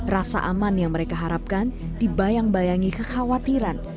rasa aman yang mereka harapkan dibayang bayangi kekhawatiran